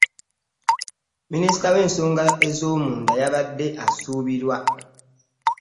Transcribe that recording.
Era Minisita w'ensonga ez'omunda yabadde asuubirwa